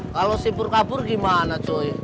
kalau si pur kabur gimana coy